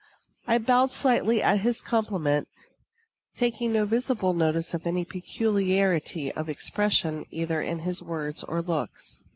I bowed slightly at his compliment, taking no visible notice of any peculiarity of expression either in his words or looks.